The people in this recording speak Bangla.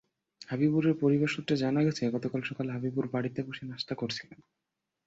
হবিবুরের পরিবার সূত্রে জানা গেছে, গতকাল সকালে হবিবুর বাড়িতে বসে নাশতা করছিলেন।